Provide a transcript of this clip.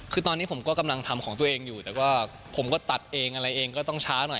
คือตอนนี้ผมก็กำลังทำของตัวเองอยู่แต่ว่าผมก็ตัดเองอะไรเองก็ต้องช้าหน่อย